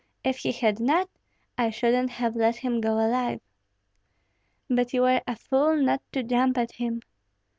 If he had not, I shouldn't have let him go alive." "But you were a fool not to jump at him."